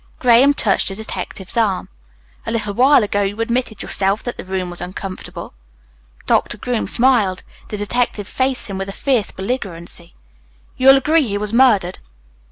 Graham touched the detective's arm. "A little while ago you admitted yourself that the room was uncomfortable." Doctor Groom smiled. The detective faced him with a fierce belligerency. "You'll agree he was murdered."